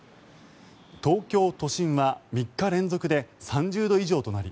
東京都心は３日連続で３０度以上となり